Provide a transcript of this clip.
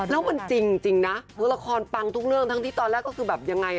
แล้วมันจริงนะเพราะละครปังทุกเรื่องทั้งที่ตอนแรกก็คือแบบยังไง